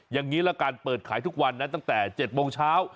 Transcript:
อย่างนี้ละกันเปิดขายทุกวันนะตั้งแต่๗โมงเช้า